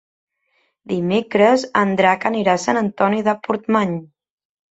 Dimecres en Drac anirà a Sant Antoni de Portmany.